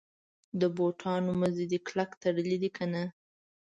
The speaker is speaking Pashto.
د بوټانو مزي دي کلک تړلي دي کنه.